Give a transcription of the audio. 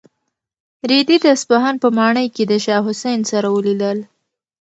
رېدي د اصفهان په ماڼۍ کې د شاه حسین سره ولیدل.